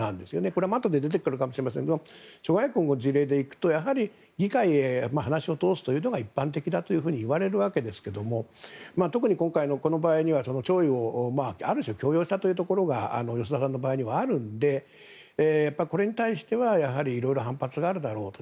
これはあとで出てくるかもしれませんが諸外国の事例で行くとやはり議会に話を通すのが一般的だといわれますけど特に今回のこの場合には弔意をある種強要したというところが吉田さんの場合にはあるのでこれに対してはいろいろ反発があるだろうと。